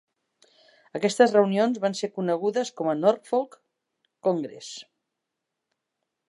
Aquestes reunions van ser conegudes com a "Norfolk Congress".